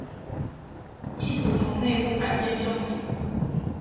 意圖從內部改變政府